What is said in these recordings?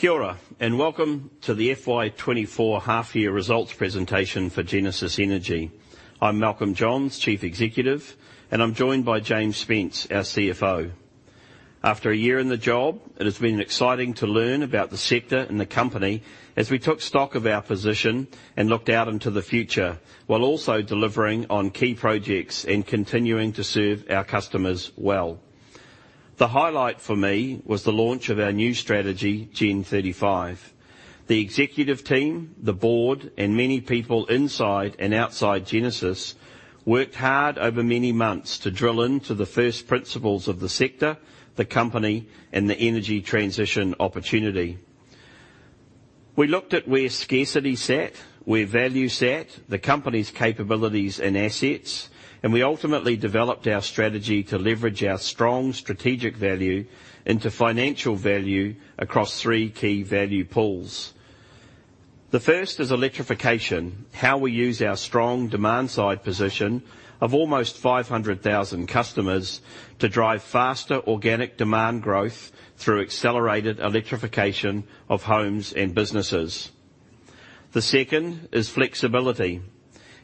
Kia ora, and Welcome to the FY 2024 Half Year Results Presentation for Genesis Energy. I'm Malcolm Johns, Chief Executive, and I'm joined by James Spence, our CFO. After a year in the job, it has been exciting to learn about the sector and the company as we took stock of our position and looked out into the future, while also delivering on key projects and continuing to serve our customers well. The highlight for me was the launch of our new strategy, Gen35. The executive team, the board, and many people inside and outside Genesis, worked hard over many months to drill into the first principles of the sector, the company, and the energy transition opportunity. We looked at where scarcity sat, where value sat, the company's capabilities and assets, and we ultimately developed our strategy to leverage our strong strategic value into financial value across three key value pools. The first is electrification, how we use our strong demand side position of almost 500,000 customers to drive faster organic demand growth through accelerated electrification of homes and businesses. The second is flexibility,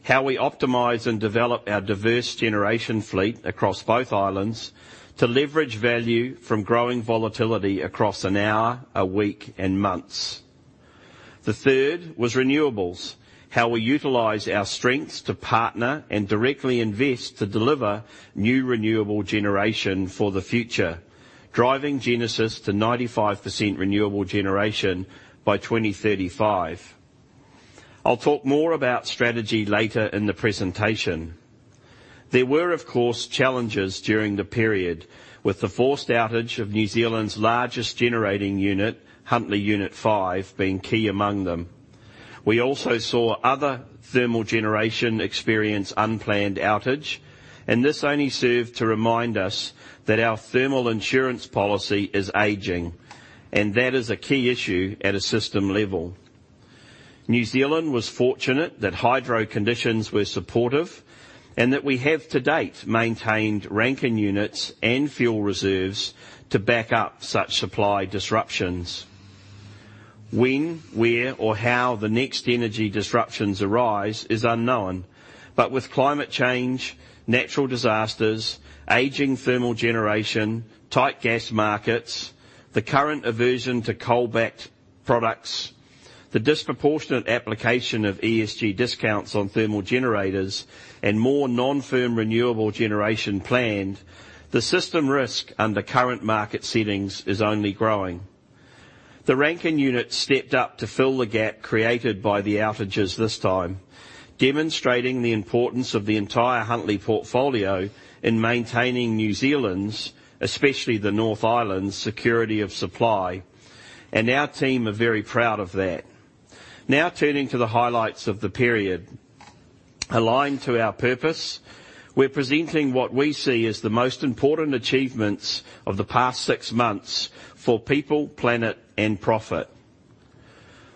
how we optimize and develop our diverse generation fleet across both islands to leverage value from growing volatility across an hour, a week, and months. The third was renewables, how we utilize our strengths to partner and directly invest to deliver new renewable generation for the future, driving Genesis to 95% renewable generation by 2035. I'll talk more about strategy later in the presentation. There were, of course, challenges during the period, with the forced outage of New Zealand's largest generating unit, Huntly Unit 5, being key among them. We also saw other thermal generation experience unplanned outage, and this only served to remind us that our thermal insurance policy is aging, and that is a key issue at a system level. New Zealand was fortunate that hydro conditions were supportive and that we have, to date, maintained Rankine units and fuel reserves to back up such supply disruptions. When, where, or how the next energy disruptions arise is unknown. But with climate change, natural disasters, aging thermal generation, tight gas markets, the current aversion to coal-backed products, the disproportionate application of ESG discounts on thermal generators, and more non-firm renewable generation planned, the system risk under current market settings is only growing. The Rankine unit stepped up to fill the gap created by the outages this time, demonstrating the importance of the entire Huntly portfolio in maintaining New Zealand's, especially the North Island, security of supply, and our team are very proud of that. Now, turning to the highlights of the period. Aligned to our purpose, we're presenting what we see as the most important achievements of the past six months for people, planet, and profit.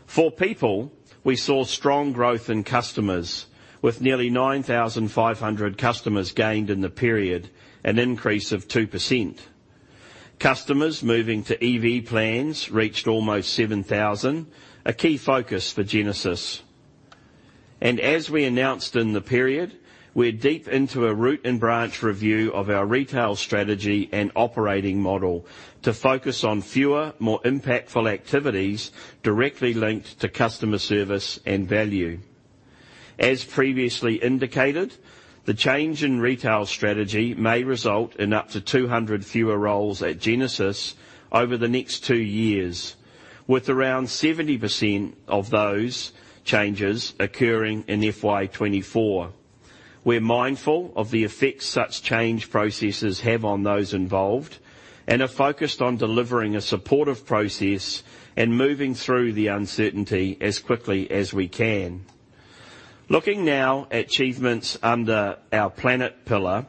For people, we saw strong growth in customers, with nearly 9,500 customers gained in the period, an increase of 2%. Customers moving to EV plans reached almost 7,000, a key focus for Genesis. As we announced in the period, we're deep into a root and branch review of our retail strategy and operating model to focus on fewer, more impactful activities directly linked to customer service and value. As previously indicated, the change in retail strategy may result in up to 200 fewer roles at Genesis over the next two years, with around 70% of those changes occurring in FY 2024. We're mindful of the effects such change processes have on those involved and are focused on delivering a supportive process and moving through the uncertainty as quickly as we can. Looking now at achievements under our planet pillar,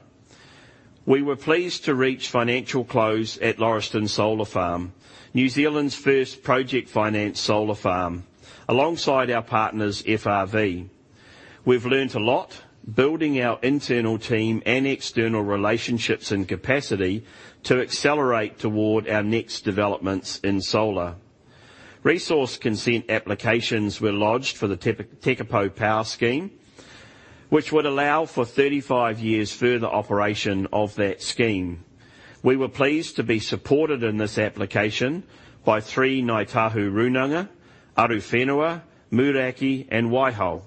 we were pleased to reach financial close at Lauriston Solar Farm, New Zealand's first project finance solar farm, alongside our partners, FRV. We've learned a lot building our internal team and external relationships and capacity to accelerate toward our next developments in solar. Resource consent applications were lodged for the Tekapo Power Scheme, which would allow for 35 years further operation of that scheme. We were pleased to be supported in this application by three Ngāi Tahu Rūnanga: Arowhenua, Moeraki, and Waihao.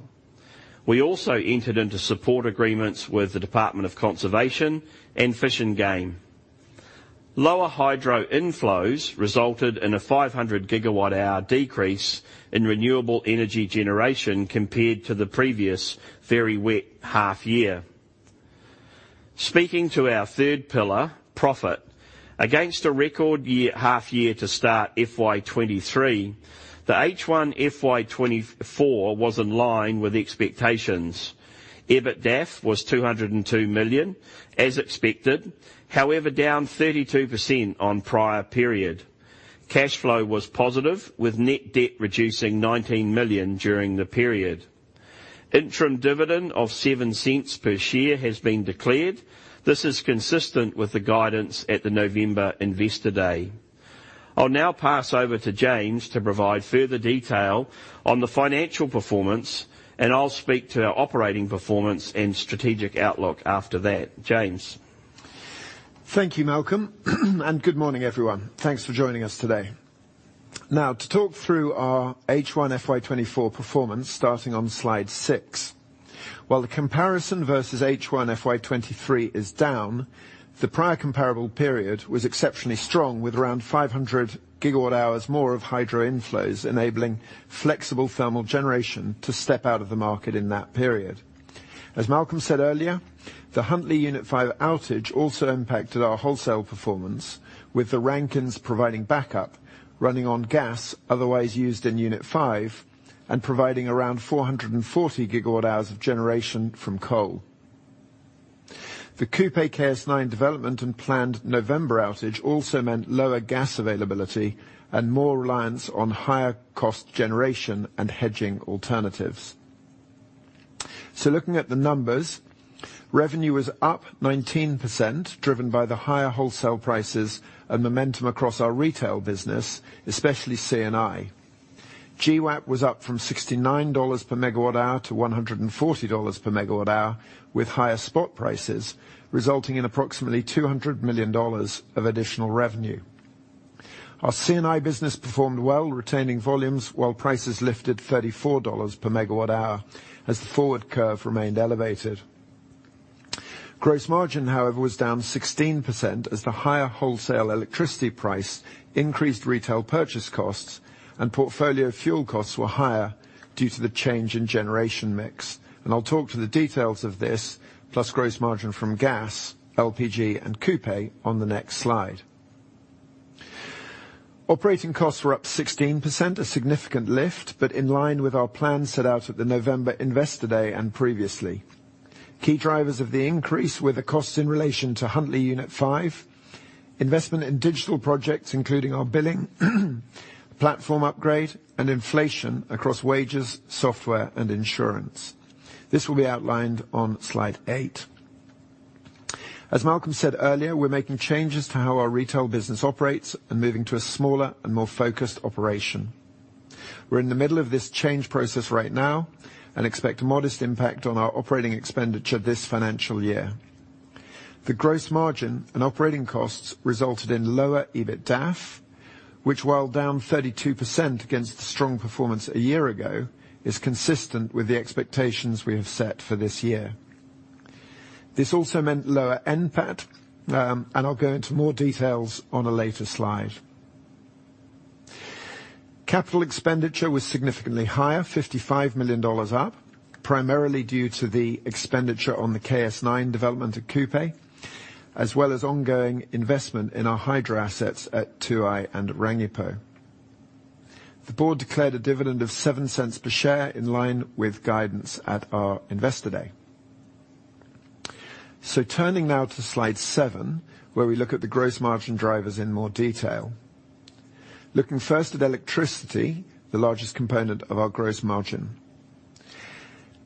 We also entered into support agreements with the Department of Conservation and Fish and Game. Lower hydro inflows resulted in a 500 GWh decrease in renewable energy generation compared to the previous very wet half year. Speaking to our third pillar, profit. Against a record year, half year to start FY 2023, the H1 FY 2024 was in line with expectations. EBITDAF was 202 million as expected, however, down 32% on prior period. Cash flow was positive, with net debt reducing 19 million during the period. Interim dividend of 0.07 per share has been declared. This is consistent with the guidance at the November Investor Day. I'll now pass over to James to provide further detail on the financial performance, and I'll speak to our operating performance and strategic outlook after that. James? Thank you, Malcolm, and good morning, everyone. Thanks for joining us today. Now, to talk through our H1 FY 2024 performance, starting on slide six. While the comparison versus H1 FY 2023 is down, the prior comparable period was exceptionally strong, with around 500 GWh more of hydro inflows, enabling flexible thermal generation to step out of the market in that period. As Malcolm said earlier, the Huntly Unit 5 outage also impacted our wholesale performance, with the Rankines providing backup, running on gas, otherwise used in Unit 5, and providing around 440 GWh of generation from coal. The Kupe KS9 development and planned November outage also meant lower gas availability and more reliance on higher cost generation and hedging alternatives. So looking at the numbers, revenue was up 19%, driven by the higher wholesale prices and momentum across our retail business, especially C&I. GWAP was up from $69 MWh to $140 MWh, with higher spot prices, resulting in approximately $200 million of additional revenue. Our C&I business performed well, retaining volumes while prices lifted $34 MWh, as the forward curve remained elevated. Gross margin, however, was down 16% as the higher wholesale electricity price increased retail purchase costs, and portfolio fuel costs were higher due to the change in generation mix. And I'll talk to the details of this, plus gross margin from gas, LPG, and Kupe on the next slide. Operating costs were up 16%, a significant lift, but in line with our plan set out at the November Investor Day and previously. Key drivers of the increase were the costs in relation to Huntly Unit 5, investment in digital projects, including our billing, platform upgrade, and inflation across wages, software, and insurance. This will be outlined on slide eight. As Malcolm said earlier, we're making changes to how our retail business operates and moving to a smaller and more focused operation. We're in the middle of this change process right now and expect a modest impact on our operating expenditure this financial year. The gross margin and operating costs resulted in lower EBITDAF, which, while down 32% against the strong performance a year ago, is consistent with the expectations we have set for this year. This also meant lower NPAT, and I'll go into more details on a later slide. Capital expenditure was significantly higher, $55 million up, primarily due to the expenditure on the KS9 development at Kupe, as well as ongoing investment in our hydro assets at Tuai and Rangipo. The board declared a dividend of $0.07 per share in line with guidance at our Investor Day. So turning now to slide seven, where we look at the gross margin drivers in more detail. Looking first at electricity, the largest component of our gross margin.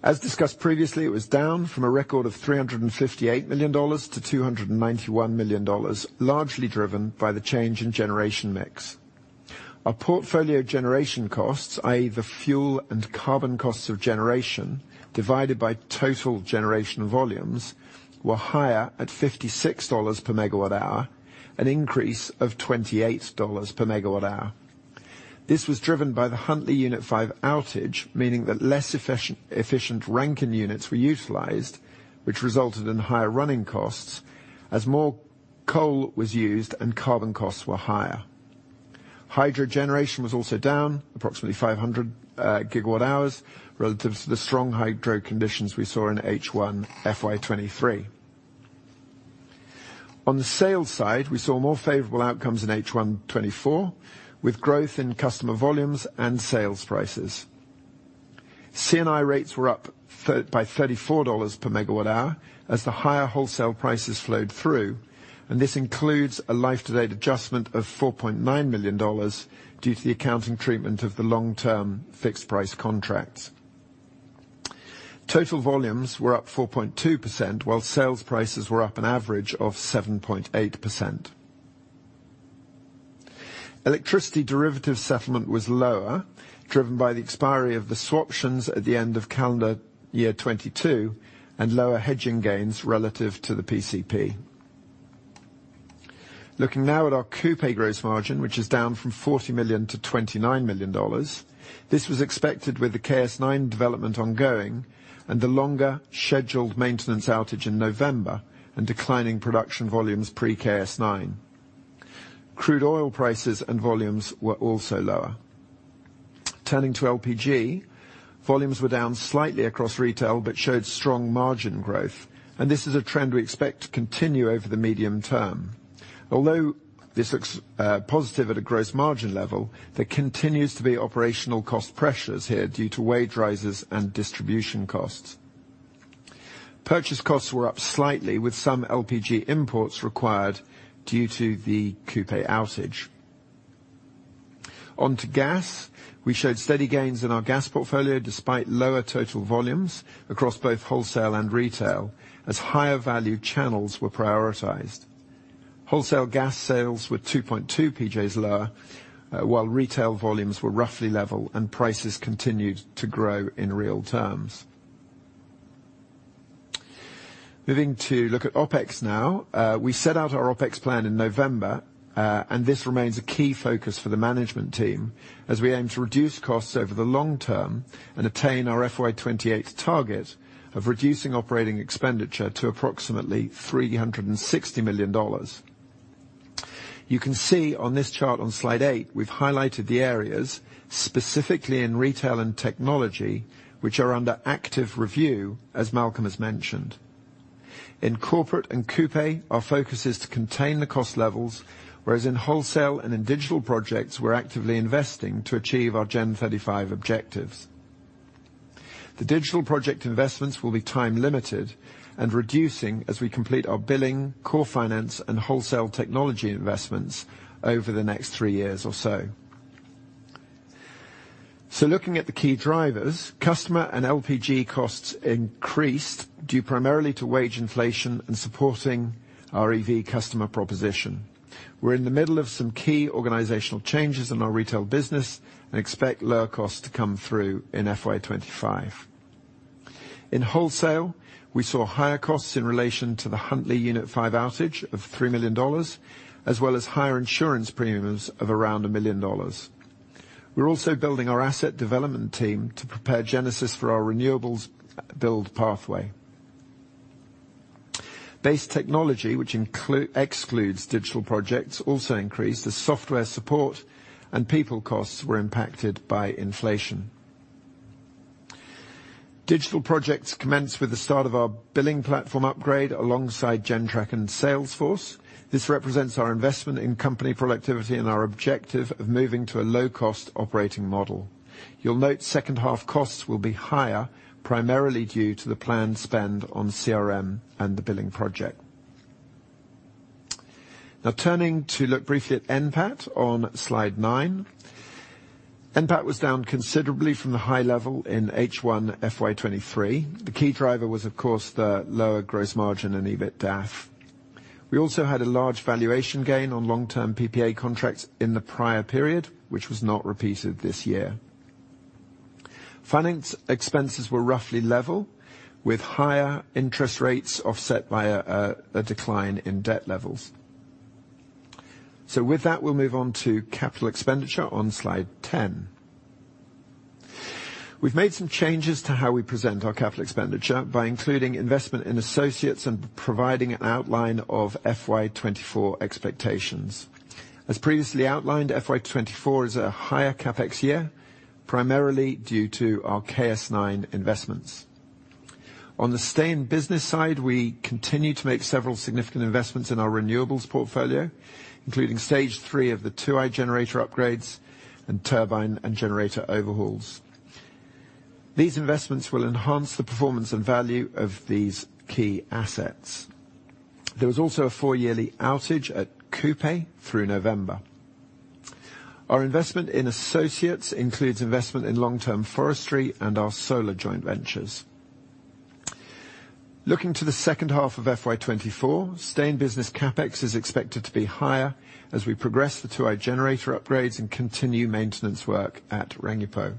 As discussed previously, it was down from a record of $358 million to $291 million, largely driven by the change in generation mix. Our portfolio generation costs, are the fuel and carbon costs of generation, divided by total generation volumes, were higher at $56 MWh, an increase of $28 MWh. This was driven by the Huntly Unit 5 outage, meaning that less efficient Rankine units were utilized, which resulted in higher running costs as more coal was used and carbon costs were higher. Hydro generation was also down approximately 500 GWh, relative to the strong hydro conditions we saw in H1 FY 2023. On the sales side, we saw more favorable outcomes in H1 2024, with growth in customer volumes and sales prices. C&I rates were up by 34 dollars per MWh as the higher wholesale prices flowed through, and this includes a life-to-date adjustment of $4.9 million due to the accounting treatment of the long-term fixed price contracts. Total volumes were up 4.2%, while sales prices were up an average of 7.8%. Electricity derivative settlement was lower, driven by the expiry of the swaptions at the end of calendar year 2022, and lower hedging gains relative to the PCP. Looking now at our Kupe gross margin, which is down from $40 million to 29 million, this was expected with the KS9 development ongoing and the longer scheduled maintenance outage in November and declining production volumes pre-KS9. Crude oil prices and volumes were also lower. Turning to LPG, volumes were down slightly across retail, but showed strong margin growth, and this is a trend we expect to continue over the medium term. Although this looks positive at a gross margin level, there continues to be operational cost pressures here due to wage rises and distribution costs. Purchase costs were up slightly, with some LPG imports required due to the Kupe outage. On to gas. We showed steady gains in our gas portfolio, despite lower total volumes across both wholesale and retail, as higher-value channels were prioritized. Wholesale gas sales were 2.2 PJs lower, while retail volumes were roughly level and prices continued to grow in real terms. Moving to look at OpEx now, we set out our OpEx plan an November, and this remains a key focus for the management team as we aim to reduce costs over the long term and attain our FY 2028 target of reducing operating expenditure to approximately $360 million. You can see on this chart on slide eight, we've highlighted the areas, specifically in retail and technology, which are under active review, as Malcolm has mentioned. In corporate and Kupe, our focus is to contain the cost levels, whereas in wholesale and in digital projects, we're actively investing to achieve our Gen35 objectives. The digital project investments will be time-limited and reducing as we complete our billing, core finance, and wholesale technology investments over the next three years or so. Looking at the key drivers, customer and LPG costs increased due primarily to wage inflation and supporting our EV customer proposition. We're in the middle of some key organizational changes in our retail business and expect lower costs to come through in FY 25. In wholesale, we saw higher costs in relation to the Huntly Unit 5 outage of $3 million, as well as higher insurance premiums of around a million dollars. We're also building our asset development team to prepare Genesis for our renewables build pathway. Base technology, which excludes digital projects, also increased as software support and people costs were impacted by inflation. Digital projects commenced with the start of our billing platform upgrade alongside Gentrack and Salesforce. This represents our investment in company productivity and our objective of moving to a low-cost operating model. You'll note second-half costs will be higher, primarily due to the planned spend on CRM and the billing project. Now, turning to look briefly at NPAT on slide nine. NPAT was down considerably from the high level in H1, FY 2023. The key driver was, of course, the lower gross margin and EBITDAF. We also had a large valuation gain on long-term PPA contracts in the prior period, which was not repeated this year. Finance expenses were roughly level, with higher interest rates offset by a decline in debt levels. So with that, we'll move on to capital expenditure on slide 10. We've made some changes to how we present our capital expenditure by including investment in associates and providing an outline of FY 2024 expectations. As previously outlined, FY 2024 is a higher CapEx year, primarily due to our KS-9 investments. On the stay-in-business side, we continue to make several significant investments in our renewables portfolio, including stage III of the Tuai generator upgrades and turbine and generator overhauls. These investments will enhance the performance and value of these key assets. There was also a four-yearly outage at Kupe through November. Our investment in associates includes investment in long-term forestry and our solar joint ventures. Looking to the second half of FY 2024, stay-in-business CapEx is expected to be higher as we progress the Tuai generator upgrades and continue maintenance work at Rangipo.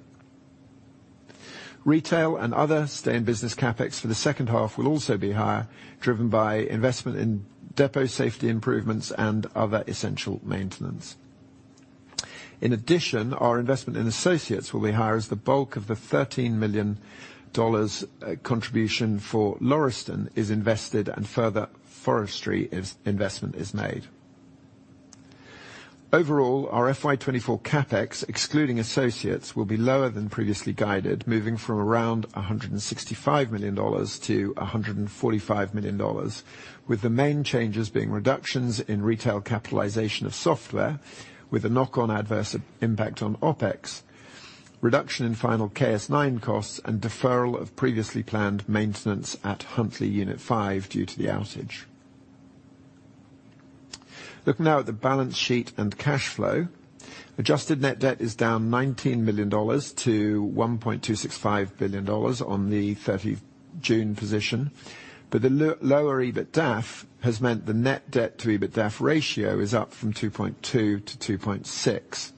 Retail and other stay-in-business CapEx for the second half will also be higher, driven by investment in depot safety improvements and other essential maintenance. In addition, our investment in associates will be higher as the bulk of the $13 million contribution for Lauriston is invested and further forestry investment is made. Overall, our FY 2024 CapEx, excluding associates, will be lower than previously guided, moving from around $165 million to $145 million, with the main changes being reductions in retail capitalization of software, with a knock-on adverse impact on OpEx, reduction in final KS-9 costs, and deferral of previously planned maintenance at Huntly Unit 5 due to the outage. Looking now at the balance sheet and cash flow. Adjusted net debt is down $19 million to $1.265 billion on the 30 June position, but the lower EBITDAF has meant the net debt to EBITDAF ratio is up from 2.2 to 2.6.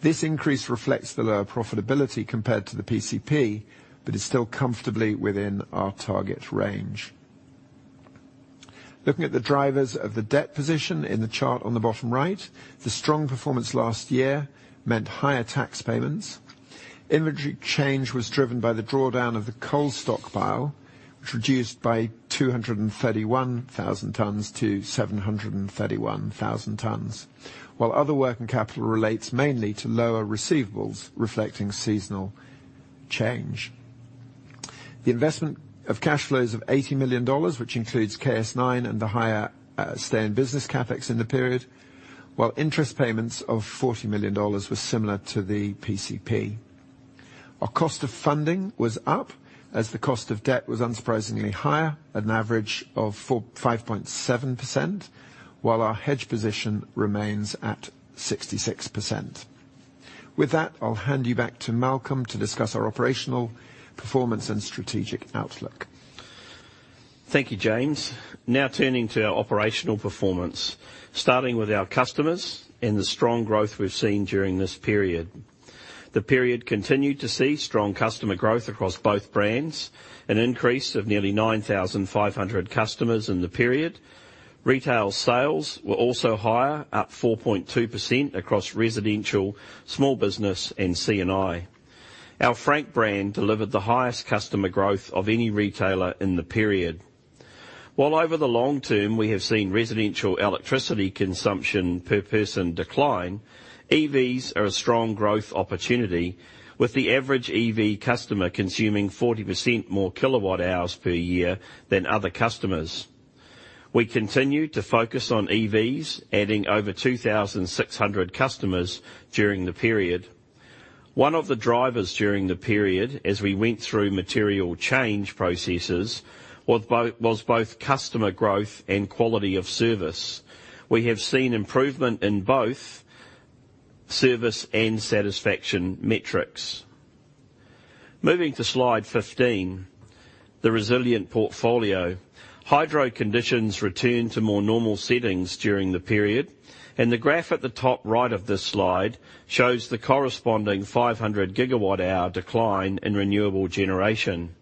This increase reflects the lower profitability compared to the PCP, but is still comfortably within our target range. Looking at the drivers of the debt position in the chart on the bottom right, the strong performance last year meant higher tax payments. Inventory change was driven by the drawdown of the coal stockpile, which reduced by 231,000 tons to 731,000 tons, while other working capital relates mainly to lower receivables, reflecting seasonal change. The investment of cash flows of $80 million, which includes KS9 and the higher, stay-in-business CapEx in the period, while interest payments of $40 million were similar to the PCP. Our cost of funding was up, as the cost of debt was unsurprisingly higher, an average of 4.57%, while our hedge position remains at 66%. With that, I'll hand you back to Malcolm to discuss our operational performance and strategic outlook. Thank you, James. Now turning to our operational performance, starting with our customers and the strong growth we've seen during this period. The period continued to see strong customer growth across both brands, an increase of nearly 9,500 customers in the period. Retail sales were also higher, up 4.2% across residential, small business, and C&I. Our Frank brand delivered the highest customer growth of any retailer in the period. While over the long term, we have seen residential electricity consumption per person decline, EVs are a strong growth opportunity, with the average EV customer consuming 40% more kWh per year than other customers. We continue to focus on EVs, adding over 2,600 customers during the period. One of the drivers during the period, as we went through material change processes, was both customer growth and quality of service. We have seen improvement in both service and satisfaction metrics. Moving to slide 15, the resilient portfolio. Hydro conditions returned to more normal settings during the period, and the graph at the top right of this slide shows the corresponding 500 GWh decline in renewable generation.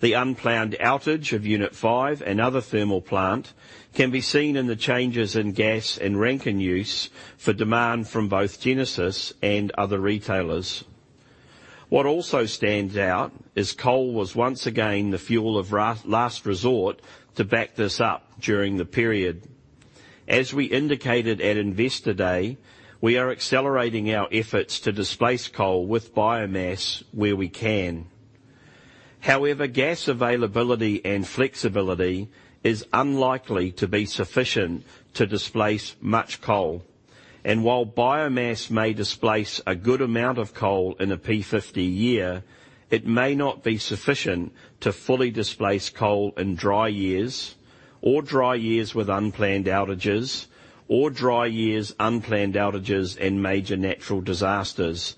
The unplanned outage Unit 5 and other thermal plant can be seen in the changes in gas and Rankine use for demand from both Genesis and other retailers. What also stands out is coal was once again the fuel of last resort to back this up during the period. As we indicated at Investor Day, we are accelerating our efforts to displace coal with biomass where we can. However, gas availability and flexibility is unlikely to be sufficient to displace much coal, and while biomass may displace a good amount of coal in a P50 year, it may not be sufficient to fully displace coal in dry years or dry years with unplanned outages or dry years, unplanned outages and major natural disasters,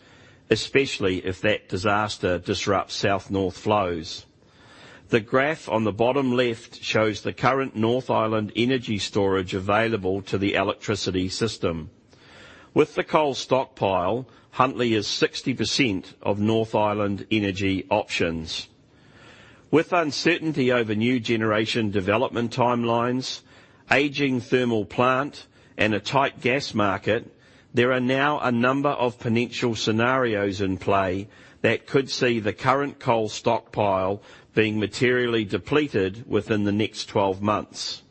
especially if that disaster disrupts south, north flows. The graph on the bottom left shows the current North Island energy storage available to the electricity system. With the coal stockpile, Huntly is 60% of North Island energy options. With uncertainty over new generation development timelines, aging thermal plant, and a tight gas market, there are now a number of potential scenarios in play that could see the current coal stockpile being materially depleted within the next 12 months.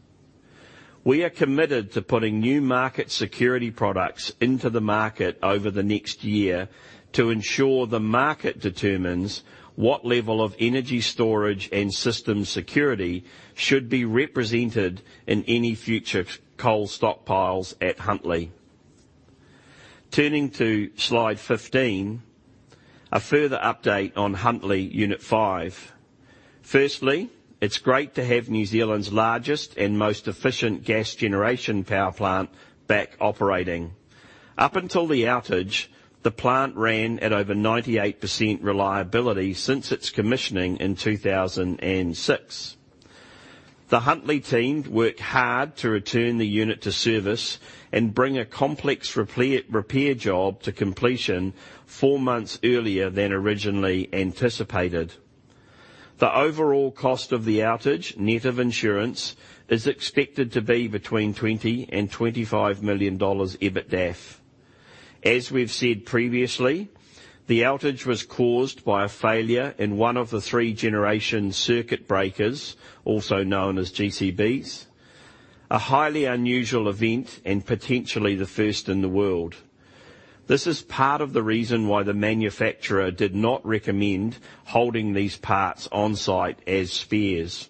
We are committed to putting new market security products into the market over the next year to ensure the market determines what level of energy storage and system security should be represented in any future coal stockpiles at Huntly. Turning to slide 15, a further update on Unit 5. firstly, it's great to have New Zealand's largest and most efficient gas generation power plant back operating. Up until the outage, the plant ran at over 98% reliability since its commissioning in 2006. The Huntly team worked hard to return the unit to service and bring a complex repair job to completion four months earlier than originally anticipated. The overall cost of the outage, net of insurance, is expected to be between $20 million and 25 million EBITDAF. As we've said previously, the outage was caused by a failure in one of the three generation circuit breakers, also known as GCBs, a highly unusual event and potentially the first in the world. This is part of the reason why the manufacturer did not recommend holding these parts on-site as spares.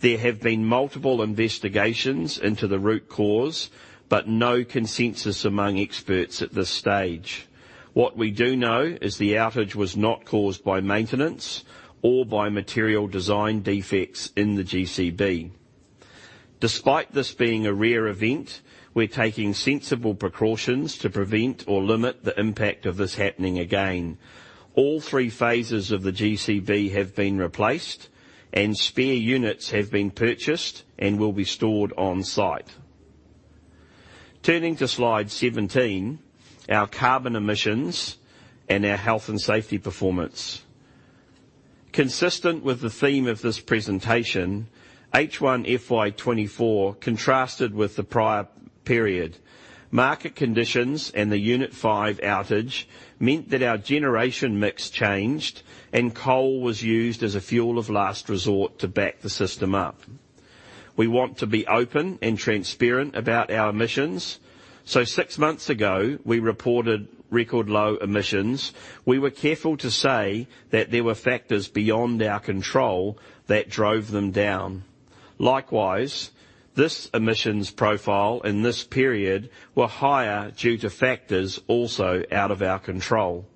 There have been multiple investigations into the root cause, but no consensus among experts at this stage. What we do know is the outage was not caused by maintenance or by material design defects in the GCB. Despite this being a rare event, we're taking sensible precautions to prevent or limit the impact of this happening again. All three phases of the GCB have been replaced, and spare units have been purchased and will be stored on-site. Turning to Slide 17, our carbon emissions and our health and safety performance. Consistent with the theme of this presentation, H1 FY24 contrasted with the prior period. Market conditions and the Unit 5 outage meant that our generation mix changed and coal was used as a fuel of last resort to back the system up. We want to be open and transparent about our emissions, so six months ago, we reported record low emissions. We were careful to say that there were factors beyond our control that drove them down. Likewise, this emissions profile in this period were higher due to factors also out of our control.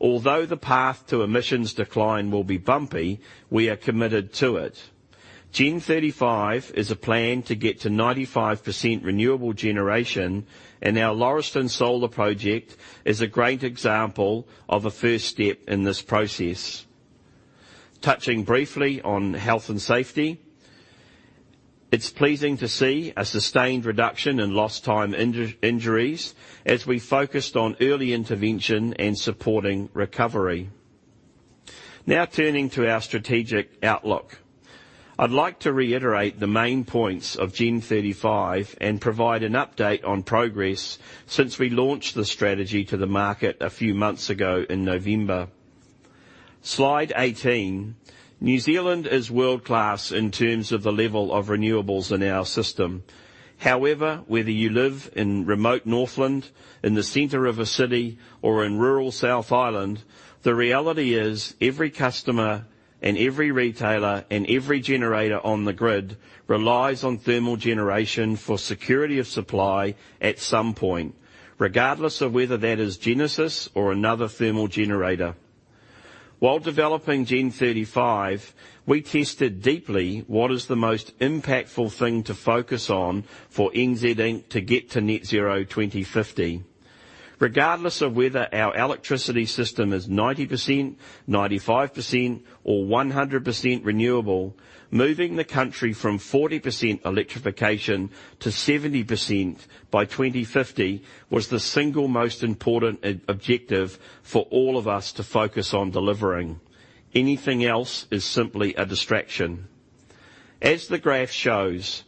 Although the path to emissions decline will be bumpy, we are committed to it. Gen35 is a plan to get to 95% renewable generation, and our Lauriston Solar project is a great example of a first step in this process. Touching briefly on health and safety, it's pleasing to see a sustained reduction in lost time injuries, as we focused on early intervention and supporting recovery. Now, turning to our strategic outlook. I'd like to reiterate the main points of Gen 35 and provide an update on progress since we launched the strategy to the market a few months ago in November. Slide 18. New Zealand is world-class in terms of the level of renewables in our system. However, whether you live in remote Northland, in the center of a city, or in rural South Island, the reality is, every customer and every retailer, and every generator on the grid, relies on thermal generation for security of supply at some point, regardless of whether that is Genesis or another thermal generator. While developing Gen35, we tested deeply what is the most impactful thing to focus on for NZ Inc. to get to net zero 2050. Regardless of whether our electricity system is 90%, 95%, or 100% renewable, moving the country from 40% electrification to 70% by 2050, was the single most important objective for all of us to focus on delivering. Anything else is simply a distraction. As the graph shows,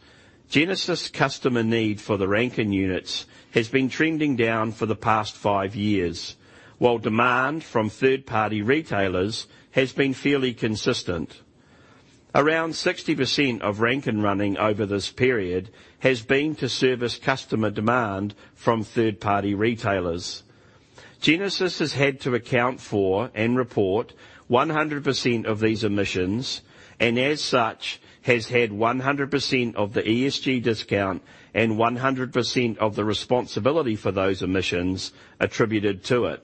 Genesis customer need for the Rankine units has been trending down for the past five years, while demand from third-party retailers has been fairly consistent. Around 60% of Rankine running over this period has been to service customer demand from third-party retailers. Genesis has had to account for and report 100% of these emissions, and as such, has had 100% of the ESG discount and 100% of the responsibility for those emissions attributed to it.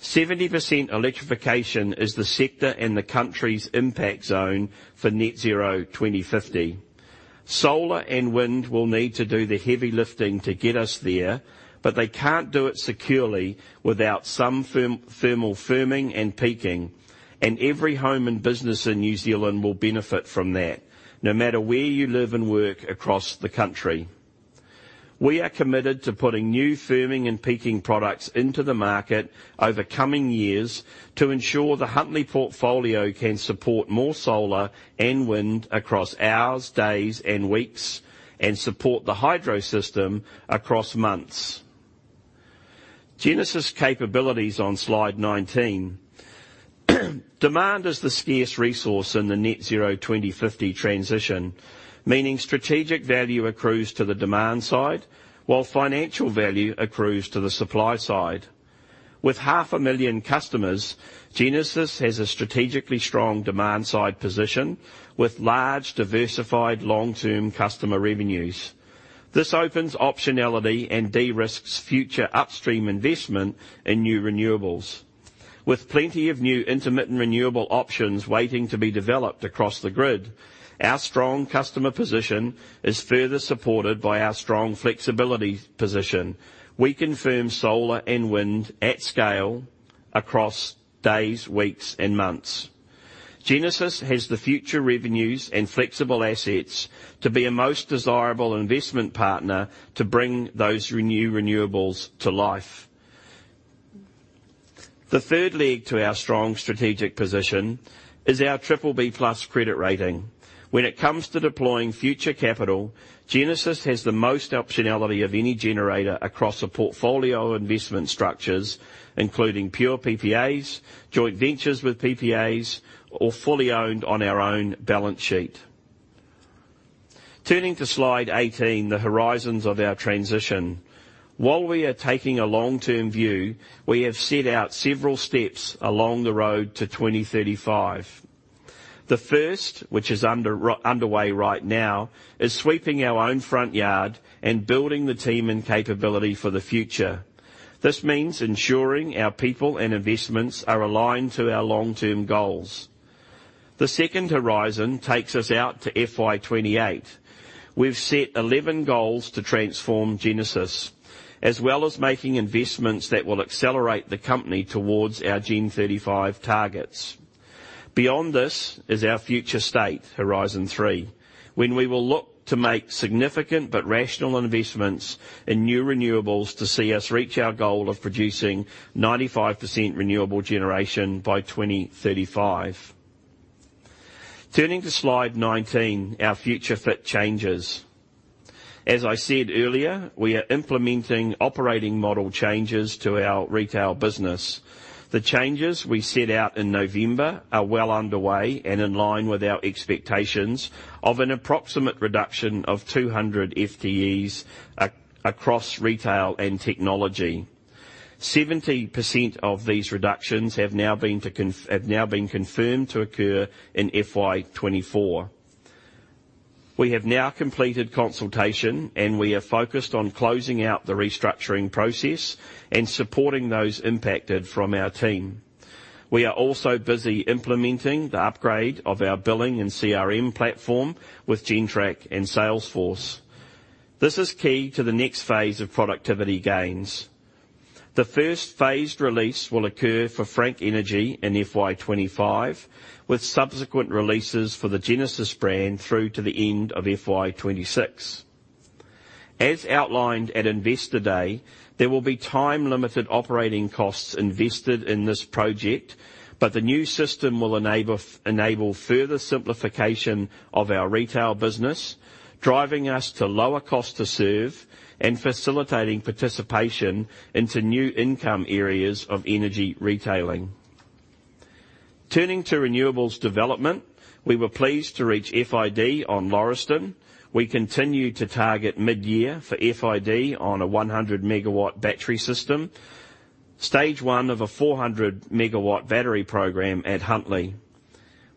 70% electrification is the sector and the country's impact zone for net zero 2050. Solar and wind will need to do the heavy lifting to get us there, but they can't do it securely without some thermal firming and peaking, and every home and business in New Zealand will benefit from that, no matter where you live and work across the country. We are committed to putting new firming and peaking products into the market over coming years, to ensure the Huntly portfolio can support more solar and wind across hours, days, and weeks, and support the hydro system across months. Genesis capabilities on slide 19. Demand is the scarce resource in the net zero 2050 transition, meaning strategic value accrues to the demand side, while financial value accrues to the supply side. With half a million customers, Genesis has a strategically strong demand side position with large, diversified, long-term customer revenues. This opens optionality and de-risks future upstream investment in new renewables. With plenty of new intermittent renewable options waiting to be developed across the grid, our strong customer position is further supported by our strong flexibility position. We confirm solar and wind at scale across days, weeks, and months. Genesis has the future revenues and flexible assets to be a most desirable investment partner to bring those renewables to life. The third leg to our strong strategic position is our BBB+ credit rating. When it comes to deploying future capital, Genesis has the most optionality of any generator across a portfolio of investment structures, including pure PPAs, joint ventures with PPAs, or fully owned on our own balance sheet. Turning to slide 18, the horizons of our transition. While we are taking a long-term view, we have set out several steps along the road to 2035. The first, which is underway right now, is sweeping our own front yard and building the team and capability for the future. This means ensuring our people and investments are aligned to our long-term goals. The second horizon takes us out to FY 2028. We've set 11 goals to transform Genesis, as well as making investments that will accelerate the company towards our Gen35 targets. Beyond this is our future state, Horizon Three, when we will look to make significant but rational investments in new renewables to see us reach our goal of producing 95% renewable generation by 2035. Turning to slide 19, our future fit changes. As I said earlier, we are implementing operating model changes to our retail business. The changes we set out in November are well underway and in line with our expectations of an approximate reduction of 200 FTEs across retail and technology. 70% of these reductions have now been confirmed to occur in FY 2024. We have now completed consultation, and we are focused on closing out the restructuring process and supporting those impacted from our team. We are also busy implementing the upgrade of our billing and CRM platform with Gentrack and Salesforce. This is key to the next phase of productivity gains. The first phased release will occur for Frank Energy in FY 25, with subsequent releases for the Genesis brand through to the end of FY 26. As outlined at Investor Day, there will be time-limited operating costs invested in this project, but the new system will enable further simplification of our retail business, driving us to lower cost to serve and facilitating participation into new income areas of energy retailing. Turning to renewables development, we were pleased to reach FID on Lauriston. We continue to target mid-year for FID on a 100 MW battery system, stage one of a 400 MW battery program at Huntly.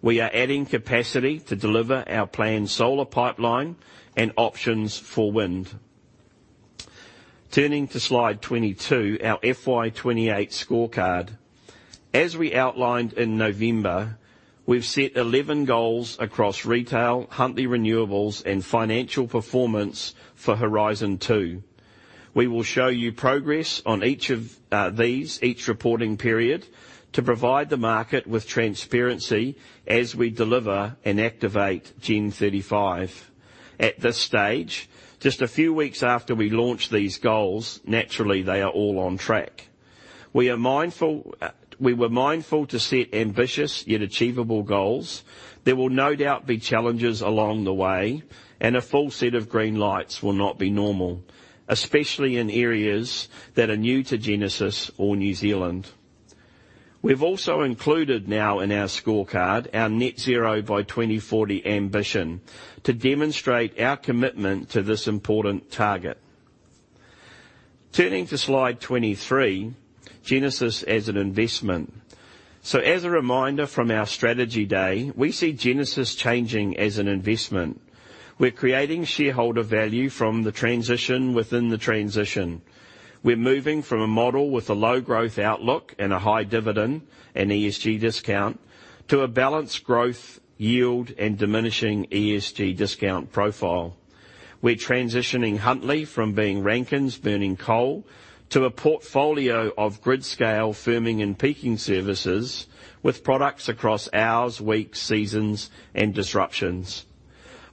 We are adding capacity to deliver our planned solar pipeline and options for wind. Turning to Slide 22, our FY 28 scorecard. As we outlined in November, we've set 11 goals across retail, Huntly renewables, and financial performance for Horizon two. We will show you progress on each of these reporting period to provide the market with transparency as we deliver and activate Gen35. At this stage, just a few weeks after we launched these goals, naturally, they are all on track. We are mindful. We were mindful to set ambitious yet achievable goals. There will no doubt be challenges along the way, and a full set of green lights will not be normal, especially in areas that are new to Genesis or New Zealand. We've also included now in our scorecard, our net zero by 2040 ambition, to demonstrate our commitment to this important target. Turning to Slide 23, Genesis as an investment. So as a reminder from our Strategy Day, we see Genesis changing as an investment. We're creating shareholder value from the transition within the transition. We're moving from a model with a low growth outlook and a high dividend and ESG discount to a balanced growth, yield, and diminishing ESG discount profile. We're transitioning Huntly from being Rankine units burning coal to a portfolio of grid-scale firming and peaking services with products across hours, weeks, seasons, and disruptions.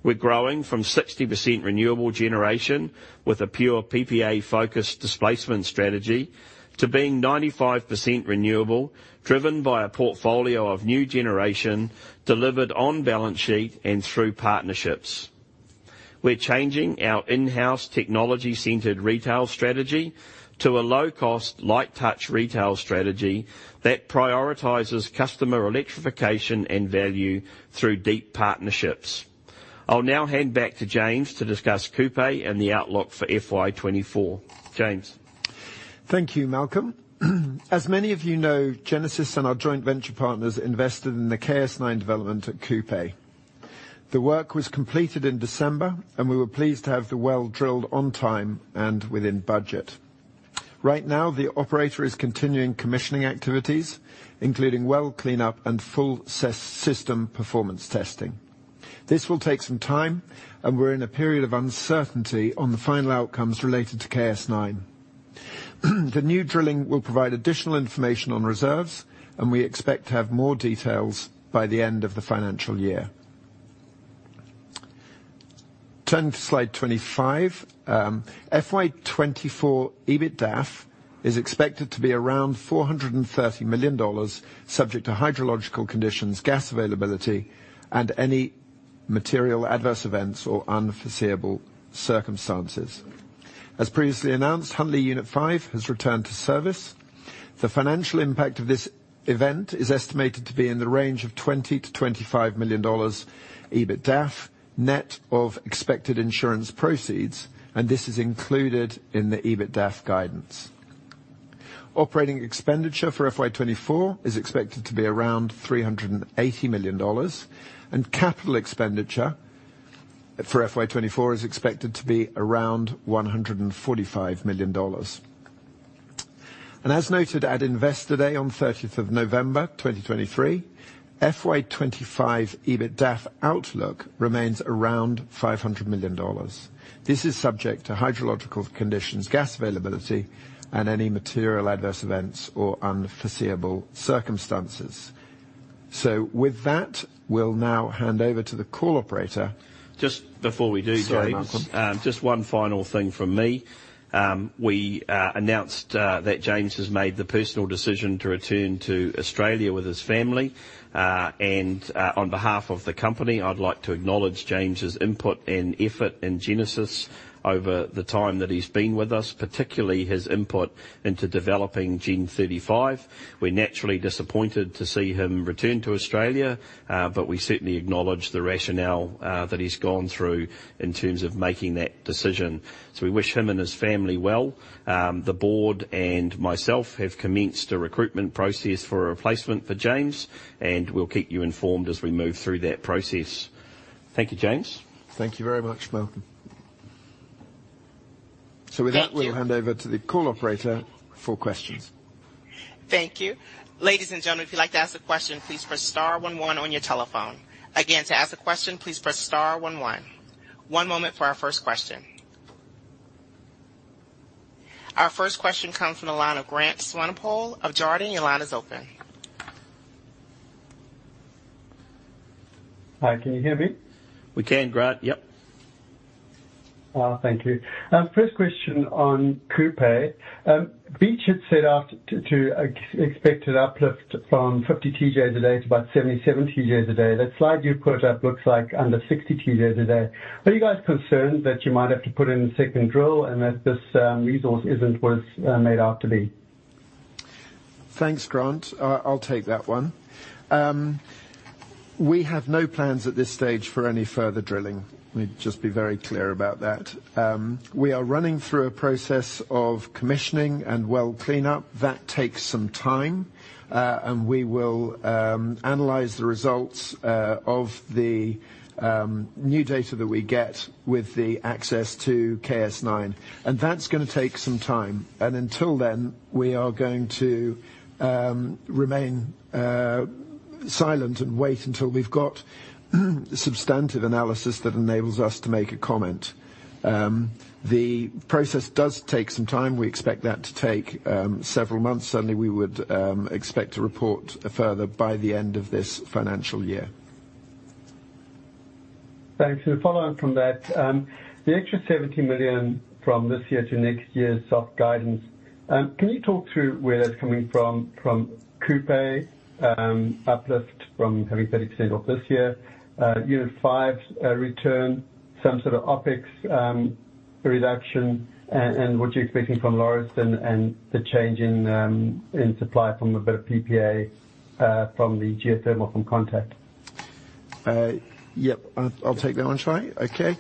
We're growing from 60% renewable generation with a pure PPA-focused displacement strategy to being 95% renewable, driven by a portfolio of new generation delivered on balance sheet and through partnerships. We're changing our in-house technology-centered retail strategy to a low-cost, light-touch retail strategy that prioritizes customer electrification and value through deep partnerships. I'll now hand back to James to discuss Kupe and the outlook for FY 2024. James? Thank you, Malcolm. As many of you know, Genesis and our joint venture partners invested in the KS-9 development at Kupe. The work was completed in December, and we were pleased to have the well drilled on time and within budget. Right now, the operator is continuing commissioning activities, including well cleanup and full system performance testing. This will take some time, and we're in a period of uncertainty on the final outcomes related to KS-9. The new drilling will provide additional information on reserves, and we expect to have more details by the end of the financial year. Turning to Slide 25, FY 2024, EBITDAF is expected to be around $430 million, subject to hydrological conditions, gas availability, and any material adverse events or unforeseeable circumstances. As previously announced, Unit 5 has returned to service. The financial impact of this event is estimated to be in the range of $20 million to 25 million EBITDAF, net of expected insurance proceeds, and this is included in the EBITDAF guidance. Operating expenditure for FY 2024 is expected to be around $380 million, and capital expenditure for FY 2024 is expected to be around $145 million. As noted at Investor Day on 30th of November 2023, FY 2025 EBITDAF outlook remains around $500 million. This is subject to hydrological conditions, gas availability, and any material adverse events or unforeseeable circumstances. So with that, we'll now hand over to the call operator. Just before we do, James- Sorry, Malcolm. Just one final thing from me. We announced that James has made the personal decision to return to Australia with his family. And on behalf of the company, I'd like to acknowledge James' input and effort in Genesis over the time that he's been with us, particularly his input into developing Gen 35. We're naturally disappointed to see him return to Australia, but we certainly acknowledge the rationale that he's gone through in terms of making that decision. So we wish him and his family well. The board and myself have commenced a recruitment process for a replacement for James, and we'll keep you informed as we move through that process. Thank you, James. Thank you very much, Malcolm. So with that- Thank you. We'll hand over to the call operator for questions. Thank you. Ladies and gentlemen, if you'd like to ask a question, please press star one one on your telephone. Again, to ask a question, please press star one one. One moment for our first question. Our first question comes from the line of Grant Swanepoel of Jarden. Your line is open. Hi, can you hear me? We can, Grant. Yep. Thank you. First question on Kupe. Beach had set out to expected uplift from 50 TJ a day to about 77 TJ a day. That slide you put up looks like under 60 TJ a day. Are you guys concerned that you might have to put in a second drill and that this resource isn't what it's made out to be? Thanks, Grant. I'll take that one. We have no plans at this stage for any further drilling. Let me just be very clear about that. We are running through a process of commissioning and well cleanup. That takes some time, and we will analyze the results of the new data that we get with the access to KS-9, and that's going to take some time. And until then, we are going to remain silent and wait until we've got substantive analysis that enables us to make a comment. The process does take some time. We expect that to take several months. Certainly, we would expect to report further by the end of this financial year. Thanks. And following from that, the extra $70 million from this year to next year's soft guidance, can you talk through where that's coming from? From Kupe, uplift from having 30% off this year, Unit 5's return, some sort of OpEx reduction, and, and what you're expecting from Lauriston, and, and the change in, in supply from a bit of PPA, from the geothermal from Contact? Yep, I'll take that one. Okay?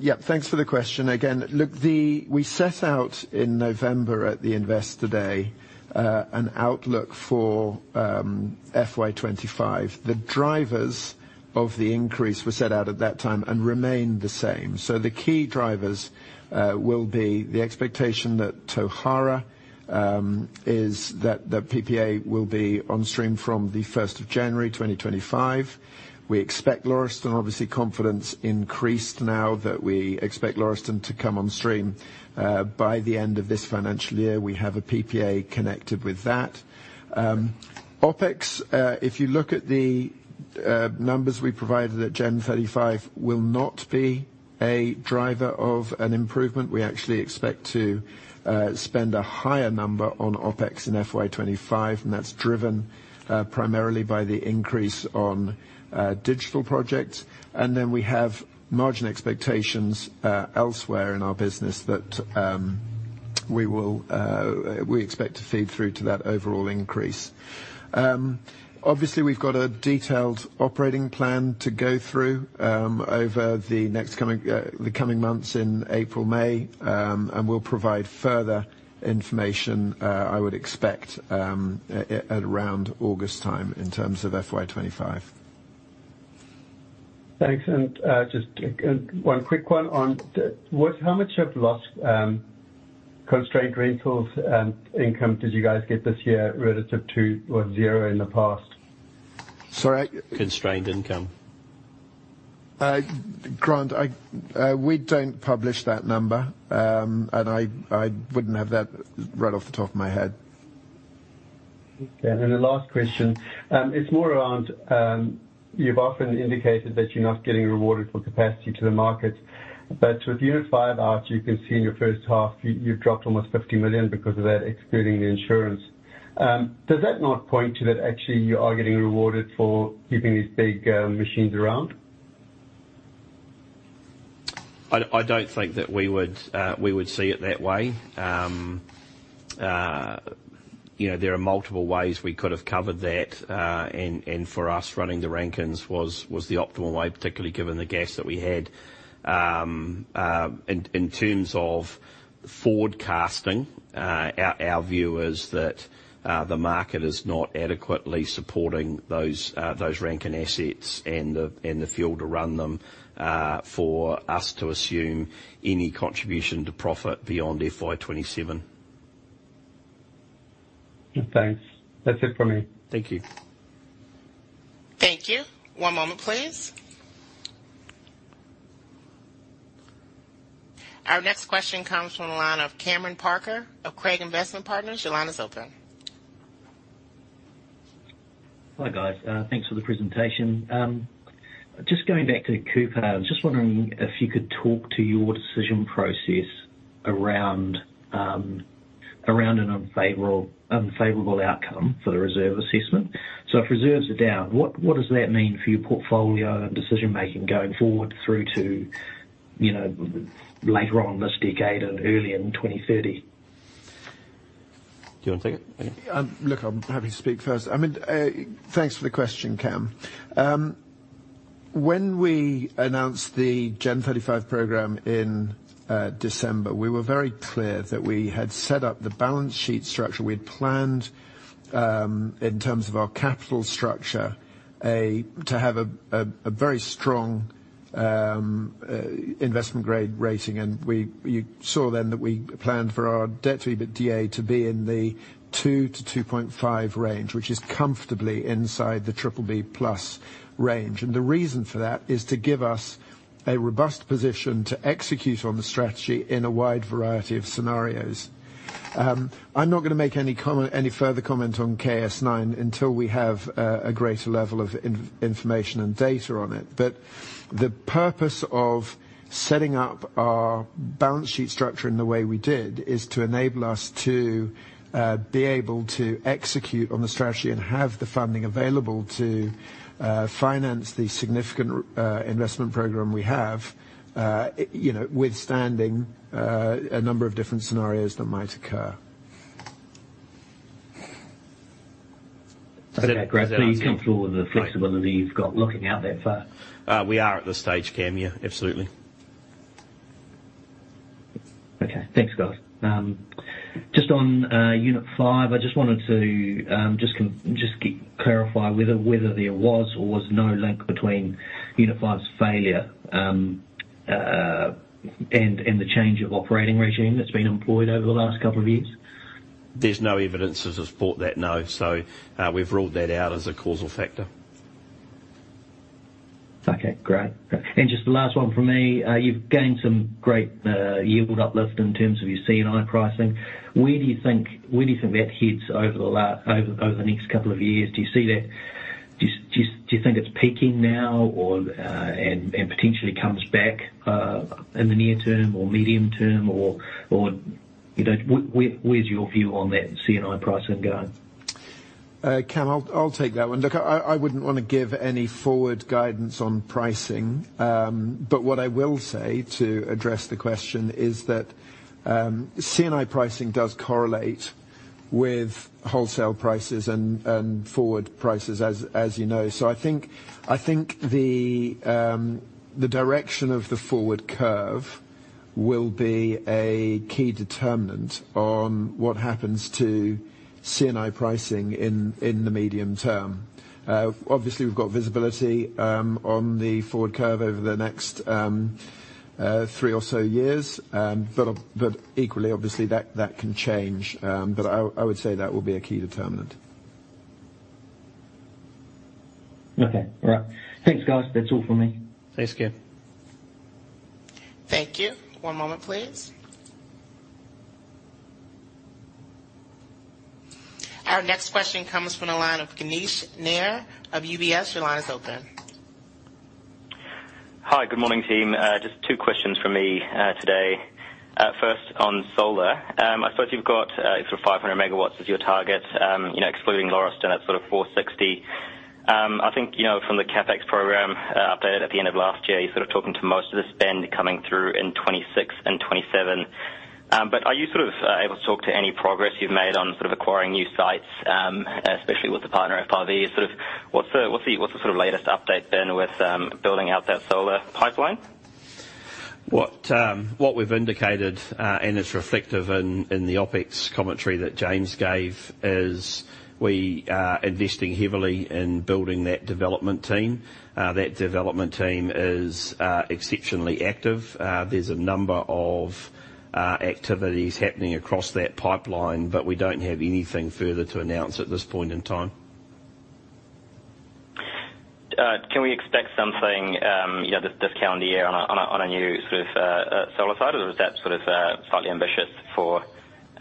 Yep, thanks for the question again. Look, we set out in November at the Investor Day, an outlook for FY 25. The drivers of the increase were set out at that time and remain the same. So the key drivers will be the expectation that Tauhara is that the PPA will be on stream from the first of January 2025. We expect Lauriston, obviously, confidence increased now that we expect Lauriston to come on stream by the end of this financial year. We have a PPA connected with that. OpEx, if you look at the numbers we provided at Gen35, will not be a driver of an improvement. We actually expect to spend a higher number on OpEx in FY 25, and that's driven primarily by the increase on digital projects. And then we have margin expectations elsewhere in our business that we expect to feed through to that overall increase. Obviously, we've got a detailed operating plan to go through over the coming months in April, May, and we'll provide further information, I would expect, at around August time in terms of FY 25. Thanks. And, just, one quick one on the... What, how much of lost constrained rentals and income did you guys get this year relative to, or zero in the past? Sorry? Constrained income. Grant, I... We don't publish that number. And I wouldn't have that right off the top of my head. Okay, and then the last question. It's more around, you've often indicated that you're not getting rewarded for capacity to the market, but with Unit 5 out, you can see in your first half, you've dropped almost $50 million because of that, excluding the insurance. Does that not point to that actually, you are getting rewarded for keeping these big machines around? I don't think that we would see it that way. You know, there are multiple ways we could have covered that, and for us, running the Rankine was the optimal way, particularly given the gas that we had. In terms of forecasting, our view is that the market is not adequately supporting those Rankine assets and the fuel to run them, for us to assume any contribution to profit beyond FY 2027. Thanks. That's it for me. Thank you. Thank you. One moment, please. Our next question comes from the line of Cameron Parker of Craigs Investment Partners. Your line is open. Hi, guys. Thanks for the presentation. Just going back to Kupe, I was just wondering if you could talk to your decision process around around an unfavorable, unfavorable outcome for the reserve assessment. So if reserves are down, what does that mean for your portfolio and decision-making going forward through to, you know, later on this decade and early in 2030? Do you want to take it? Look, I'm happy to speak first. I mean, thanks for the question, Cam. When we announced the Gen35 program in December, we were very clear that we had set up the balance sheet structure. We had planned, in terms of our capital structure, to have a very strong investment grade rating, and we, you saw then that we planned for our debt to EBITDA to be in the 2-2.5 range, which is comfortably inside the BBB+ range. The reason for that is to give us a robust position to execute on the strategy in a wide variety of scenarios. I'm not going to make any further comment on KS-9 until we have a greater level of information and data on it. The purpose of setting up our balance sheet structure in the way we did is to enable us to be able to execute on the strategy and have the funding available to finance the significant investment program we have, you know, withstanding a number of different scenarios that might occur. But- You're comfortable with the flexibility you've got looking out there far? We are at this stage, Cam, yeah, absolutely. Okay. Thanks, guys. Just Unit 5, i just wanted to just clarify whether there was or was no link Unit 5's failure and the change of operating regime that's been employed over the last couple of years. There's no evidence to support that, no. So, we've ruled that out as a causal factor. Okay, great. And just the last one from me. You've gained some great yield uplift in terms of your C&I pricing. Where do you think that heads over the next couple of years? Do you see that? Do you think it's peaking now or and potentially comes back in the near term or medium term, or you know, where's your view on that C&I pricing going? Cam, I'll, I'll take that one. Look, I, I wouldn't want to give any forward guidance on pricing. But what I will say to address the question is that, C&I pricing does correlate with wholesale prices and, and forward prices, as, as you know. So I think, I think the, the direction of the forward curve will be a key determinant on what happens to C&I pricing in, in the medium term. Obviously, we've got visibility, on the forward curve over the next, three or so years. But, but equally, obviously, that, that can change, but I, I would say that will be a key determinant. Okay. All right. Thanks, guys. That's all for me. Thanks, Cam. Thank you. One moment, please. Our next question comes from the line of Vignesh Nair of UBS. Your line is open. Hi, good morning, team. Just two questions from me, today. First, on solar. I suppose you've got, sort of 500 MW as your target, you know, excluding Lauriston, at sort of 460. I think, you know, from the CapEx program, updated at the end of last year, you're sort of talking to most of the spend coming through in 2026 and 2027. But are you sort of, able to talk to any progress you've made on sort of acquiring new sites, especially with the partner, FRV? Sort of, what's the, what's the, what's the sort of latest update then with, building out that solar pipeline? What we've indicated, and it's reflective in, in the OpEx commentary that James gave, is we are investing heavily in building that development team. That development team is exceptionally active. There's a number of activities happening across that pipeline, but we don't have anything further to announce at this point in time. Can we expect something, you know, this calendar year on a new sort of solar side? Or is that sort of slightly ambitious for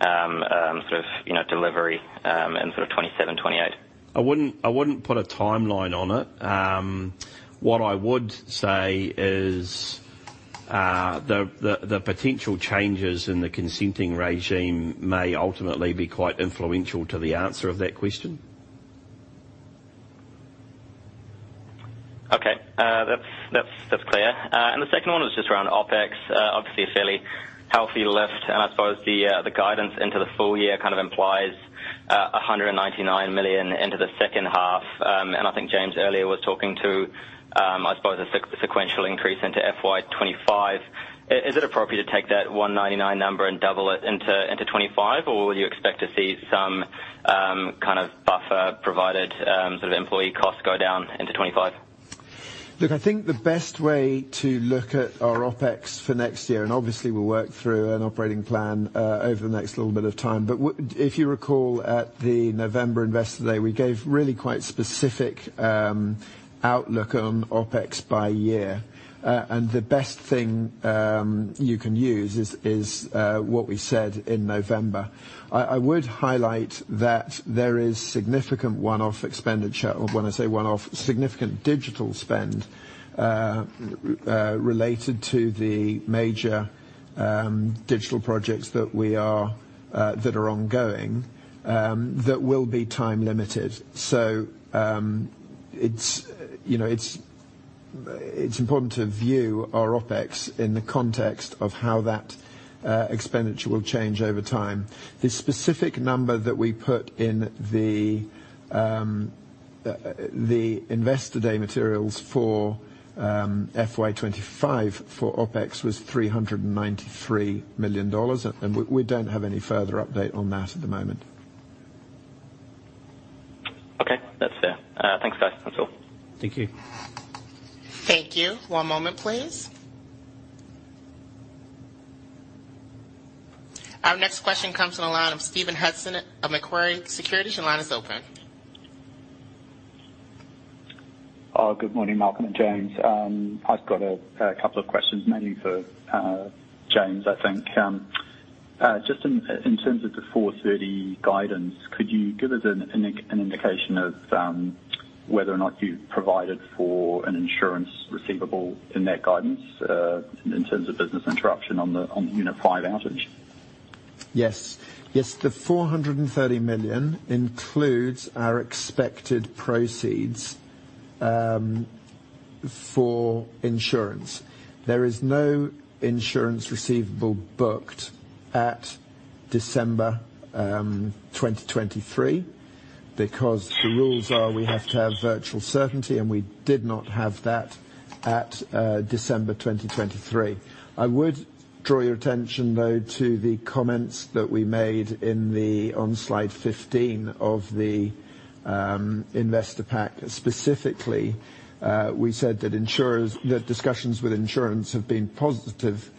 sort of, you know, delivery in sort of 2027, 2028? I wouldn't, I wouldn't put a timeline on it. What I would say is, the potential changes in the consenting regime may ultimately be quite influential to the answer of that question. Okay. That's clear. And the second one is just around OpEx. Obviously a fairly healthy lift, and I suppose the guidance into the full year kind of implies $199 million into the second half. And I think James earlier was talking to, I suppose, a sequential increase into FY 2025. Is it appropriate to take that 199 number and double it into 2025, or would you expect to see some kind of buffer provided, sort of employee costs go down into 2025? Look, I think the best way to look at our OpEx for next year, and obviously we'll work through an operating plan, over the next little bit of time. But if you recall, at the November Investor Day, we gave really quite specific, outlook on OpEx by year. And the best thing, you can use is, what we said in November. I would highlight that there is significant one-off expenditure, or when I say one-off, significant digital spend, related to the major, digital projects that we are, that are ongoing, that will be time limited. So, it's, you know, it's, it's important to view our OpEx in the context of how that, expenditure will change over time. The specific number that we put in the Investor Day materials for FY 25 for OpEx was $393 million, and we don't have any further update on that at the moment. That's fair. Thanks, guys. That's all. Thank you. Thank you. One moment, please. Our next question comes on the line of Stephen Hudson of Macquarie Securities. Your line is open. Good morning, Malcolm and James. I've got a couple of questions, mainly for James, I think. Just in terms of the FY30 guidance, could you give us an indication of whether or not you provided for an insurance receivable in that guidance, in terms of business interruption on Unit 5 outage? Yes. Yes, the $430 million includes our expected proceeds for insurance. There is no insurance receivable booked at December 2023, because the rules are we have to have virtual certainty, and we did not have that at December 2023. I would draw your attention, though, to the comments that we made in the on slide 15 of the investor pack. Specifically, we said that insurers, that discussions with insurance have been positive,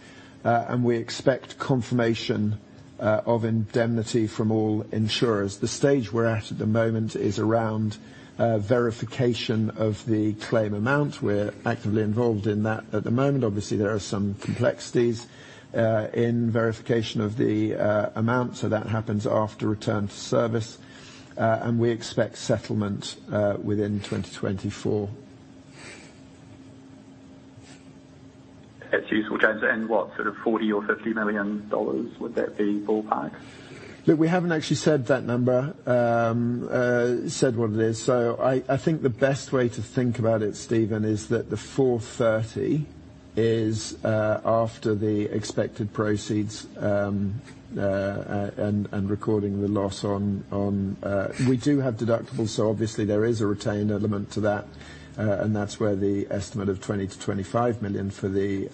and we expect confirmation of indemnity from all insurers. The stage we're at at the moment is around verification of the claim amount. We're actively involved in that at the moment. Obviously, there are some complexities in verification of the amount, so that happens after return to service, and we expect settlement within 2024. That's useful, James. And what, sort of $40 million or $50 million, would that be ballpark? Look, we haven't actually said that number, said what it is. So I think the best way to think about it, Stephen, is that the $430 million is, after the expected proceeds, and recording the loss on, on... We do have deductibles, so obviously there is a retained element to that, and that's where the estimate of $20 to 25 million for the,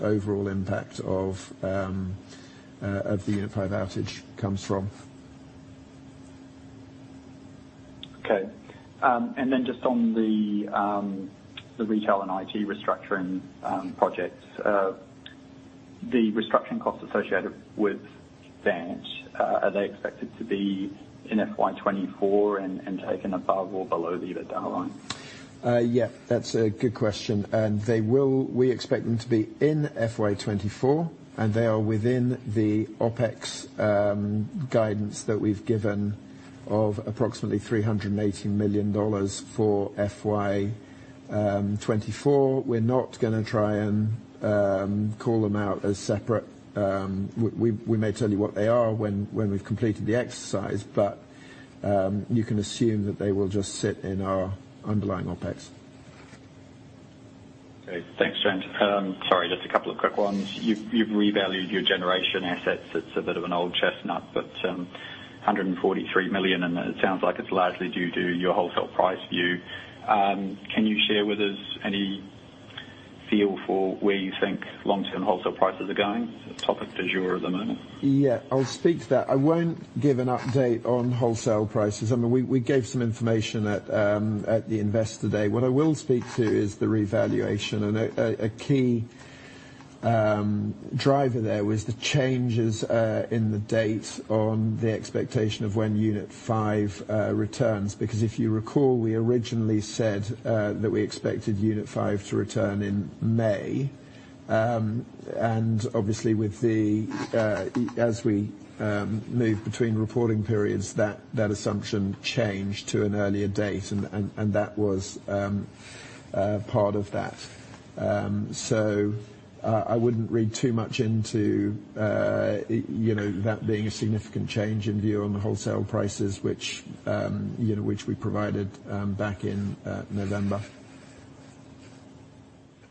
overall impact of, of the Unit 5 outage comes from. Okay. And then just on the retail and IT restructuring projects. The restructuring costs associated with that are they expected to be in FY 2024 and taken above or below the EBITDA line? Yeah, that's a good question. We expect them to be in FY 2024, and they are within the OpEx guidance that we've given of approximately $380 million for FY 2024. We're not gonna try and call them out as separate. We may tell you what they are when we've completed the exercise, but you can assume that they will just sit in our underlying OpEx. Okay. Thanks, James. Sorry, just a couple of quick ones. You've revalued your generation assets. It's a bit of an old chestnut, but $143 million, and it sounds like it's largely due to your wholesale price view. Can you share with us any feel for where you think long-term wholesale prices are going? Topic du jour at the moment. Yeah, I'll speak to that. I won't give an update on wholesale prices. I mean, we gave some information at the Investor Day. What I will speak to is the revaluation. And a key driver there was the changes in the date on the expectation of when Unit 5 returns. Because if you recall, we originally said that we expected Unit 5 to return in May. And obviously, as we move between reporting periods, that assumption changed to an earlier date, and that was part of that. So, I wouldn't read too much into, you know, that being a significant change in view on the wholesale prices, which, you know, which we provided back in November.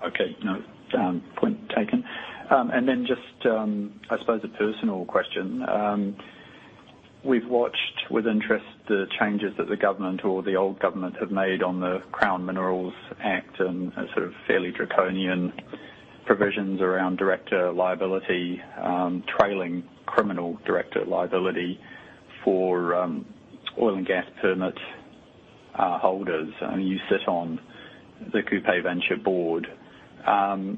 Okay, no, point taken. And then just, I suppose a personal question. We've watched with interest, the changes that the government or the old government have made on the Crown Minerals Act and the sort of fairly draconian provisions around director liability, trailing criminal director liability for, oil and gas permit, holders. I mean, you sit on the Kupe Venture board. Can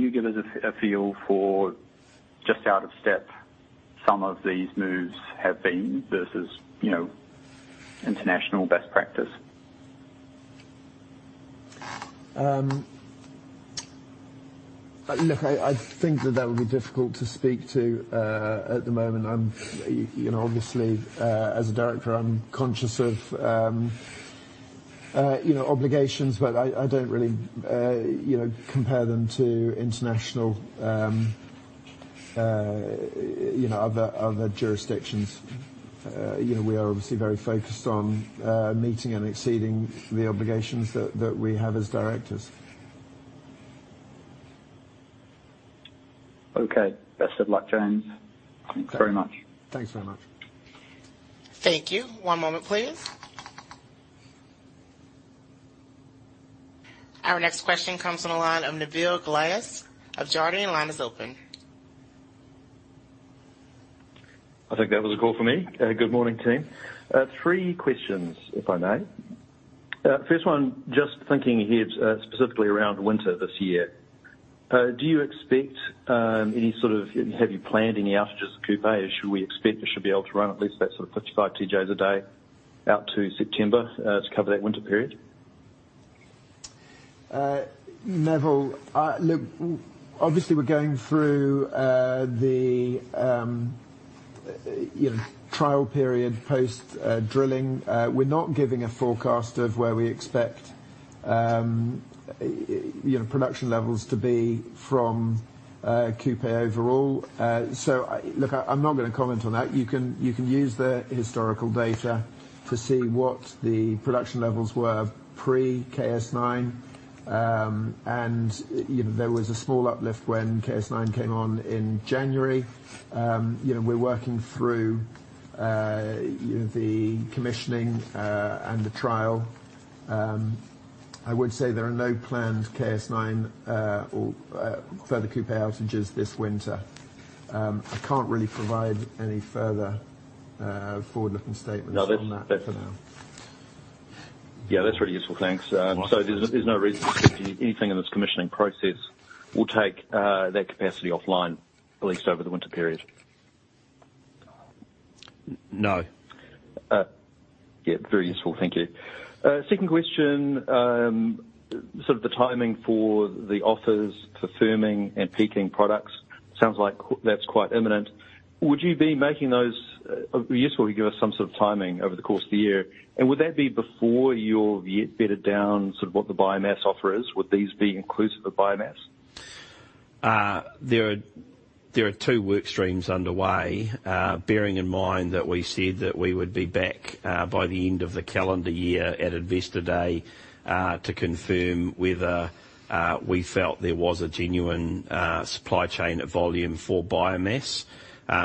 you give us a, a feel for just out of step some of these moves have been versus, you know, international best practice? Look, I think that would be difficult to speak to at the moment. I'm, you know, obviously, as a director, I'm conscious of, you know, obligations, but I don't really, you know, compare them to international, you know, other jurisdictions. You know, we are obviously very focused on meeting and exceeding the obligations that we have as directors. Okay. Best of luck, James. Thanks very much. Thanks very much. Thank you. One moment, please... Our next question comes from the line of Nevill Gluyas of Jarden. Line is open. I think that was a call for me. Good morning, team. Three questions, if I may. First one, just thinking here, specifically around winter this year, do you expect? Have you planned any outages at Kupe, or should we expect it should be able to run at least that sort of 55 TJs a day out to September to cover that winter period? Nevill, look, obviously, we're going through the, you know, trial period post drilling. We're not giving a forecast of where we expect, you know, production levels to be from Kupe overall. So look, I, I'm not going to comment on that. You can, you can use the historical data to see what the production levels were pre-KS-9. And, you know, there was a small uplift when KS-9 came on in January. You know, we're working through, you know, the commissioning and the trial. I would say there are no planned KS-9 or further Kupe outages this winter. I can't really provide any further forward-looking statements on that for now. Yeah, that's really useful. Thanks. So there's no reason to think anything in this commissioning process will take that capacity offline, at least over the winter period? No. Yeah, very useful. Thank you. Second question, sort of the timing for the offers for firming and peaking products. Sounds like that's quite imminent. Would you be making those... It'd be useful if you give us some sort of timing over the course of the year, and would that be before you've yet bedded down sort of what the biomass offer is? Would these be inclusive of biomass? There are two work streams underway. Bearing in mind that we said that we would be back by the end of the calendar year at Investor Day to confirm whether we felt there was a genuine supply chain at volume for biomass.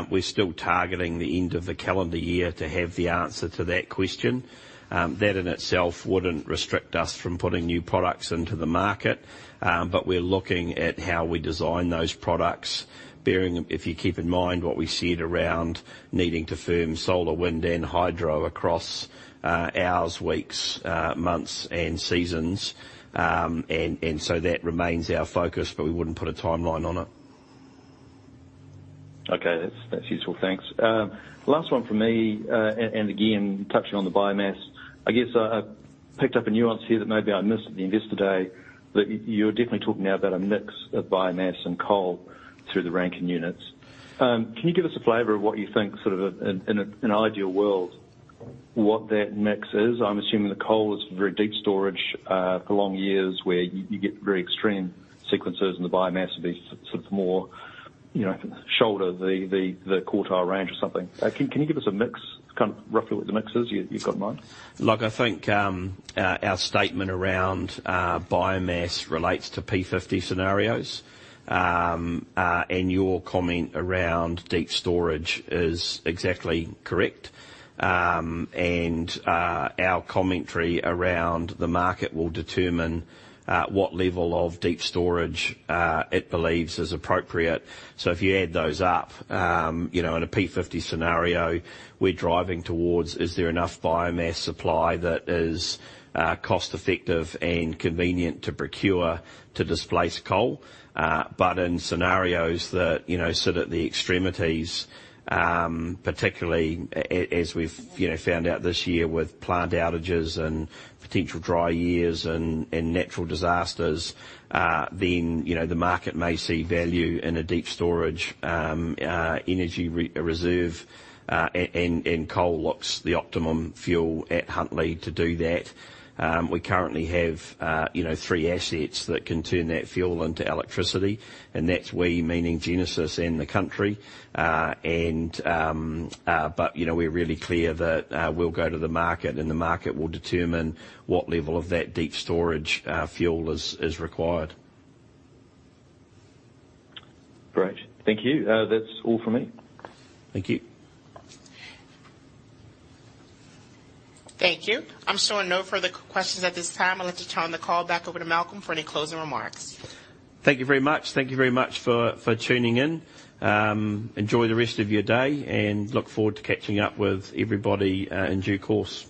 We're still targeting the end of the calendar year to have the answer to that question. That in itself wouldn't restrict us from putting new products into the market, but we're looking at how we design those products. If you keep in mind what we said around needing to firm solar, wind, and hydro across hours, weeks, months, and seasons. So that remains our focus, but we wouldn't put a timeline on it. Okay, that's useful. Thanks. Last one for me, and again, touching on the biomass. I guess I picked up a nuance here that maybe I missed at the Investor Day, that you're definitely talking now about a mix of biomass and coal through the Rankine units. Can you give us a flavor of what you think, sort of in an ideal world, what that mix is? I'm assuming the coal is very deep storage for long years, where you get very extreme sequences, and the biomass would be sort of more, you know, shoulder, the quartile range or something. Can you give us a mix, kind of roughly what the mix is you've got in mind? Look, I think our statement around biomass relates to P50 scenarios. Your comment around deep storage is exactly correct. Our commentary around the market will determine what level of deep storage it believes is appropriate. So if you add those up, you know, in a P50 scenario, we're driving towards, is there enough biomass supply that is cost-effective and convenient to procure to displace coal? In scenarios that, you know, sit at the extremities, particularly as we've, you know, found out this year with plant outages and potential dry years and natural disasters, then, you know, the market may see value in a deep storage energy reserve, and coal looks the optimum fuel at Huntly to do that. We currently have, you know, three assets that can turn that fuel into electricity, and that's we, meaning Genesis and the country. But, you know, we're really clear that we'll go to the market, and the market will determine what level of that deep storage fuel is required. Great. Thank you. That's all for me. Thank you. Thank you. I'm showing no further questions at this time. I'd like to turn the call back over to Malcolm for any closing remarks. Thank you very much. Thank you very much for tuning in. Enjoy the rest of your day, and look forward to catching up with everybody in due course.